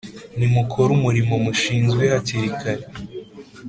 Nimukore umurimo mushinzwe hakiri kare,